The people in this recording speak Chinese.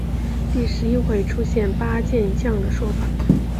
第十一回出现八健将的说法。